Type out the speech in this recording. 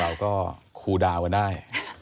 เราก็คูดาวน์ก็ได้